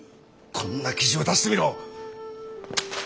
こんな記事を出してみろ。